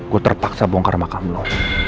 gue terpaksa bongkar makam lo